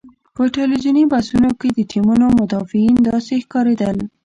په ټلویزیوني بحثونو کې د ټیمونو مدافعین داسې ښکارېدل.